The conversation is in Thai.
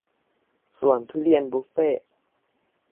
สวนทุเรียนบุฟเฟ่ต์